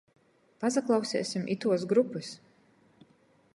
Pasaklauseisim ituos grupys!